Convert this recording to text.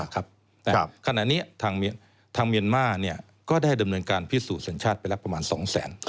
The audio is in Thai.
ขณะนี้ทางเมียนมาร์ก็ได้ดำเนินการพิสูจนสัญชาติไปแล้วประมาณ๒แสน